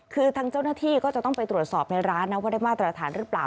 คือทางเจ้าหน้าที่ก็จะต้องไปตรวจสอบในร้านนะว่าได้มาตรฐานหรือเปล่า